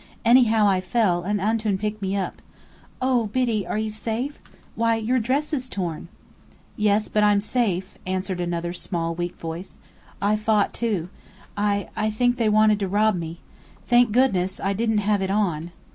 Anyhow I fell, and Antoun picked me up. Oh, Biddy, are you safe? Why, your dress is torn!" "Yes, but I'm safe," answered another small, weak voice. "I fought, too. I I think they wanted to rob me. Thank goodness, I didn't have it on."